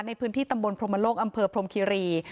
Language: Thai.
ในพื้นที่ตำบลพรมโลกอำเภอพรมคิรี